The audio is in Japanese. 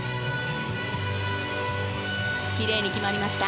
きれいに決まりました。